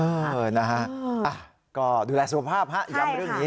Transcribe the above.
ไหวนะฮะก็ดูแลสภาพย้ำไปเรื่องนี้